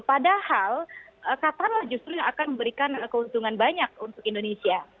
padahal qatar lah justru yang akan memberikan keuntungan banyak untuk indonesia